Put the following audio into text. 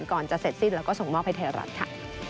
ก่อนจะเสร็จสิ้นแล้วก็ส่งมอบให้ไทยรัฐค่ะ